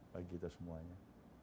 bagi kita semuanya